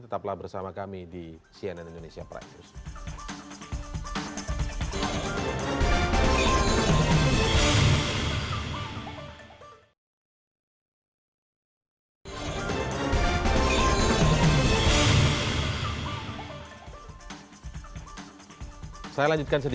tetaplah bersama kami di cnn indonesia prizes